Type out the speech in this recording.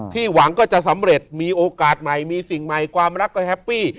หวังก็จะสำเร็จมีโอกาสใหม่มีสิ่งใหม่ความรักก็แฮปปี้